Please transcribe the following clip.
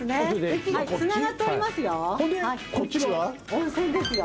温泉ですよ。